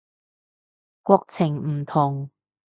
國情唔同